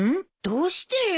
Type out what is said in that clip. どうしてよ？